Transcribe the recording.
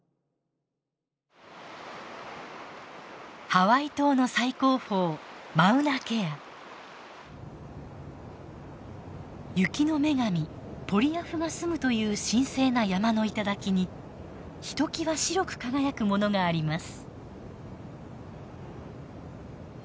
ハワイ島の最高峰雪の女神ポリアフが住むという神聖な山の頂にひときわ白く輝くものがあります。